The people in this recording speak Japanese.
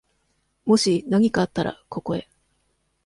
もしなにかあったら、ここへ。